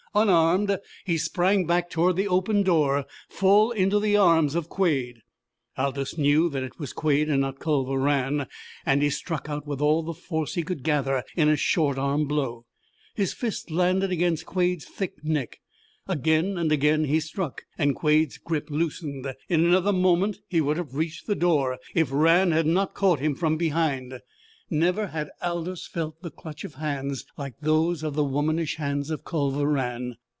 Unarmed, he sprang back toward the open door full into the arms of Quade! Aldous knew that it was Quade and not Culver Rann, and he struck out with all the force he could gather in a short arm blow. His fist landed against Quade's thick neck. Again and again he struck, and Quade's grip loosened. In another moment he would have reached the door if Rann had not caught him from behind. Never had Aldous felt the clutch of hands like those of the womanish hands of Culver Rann.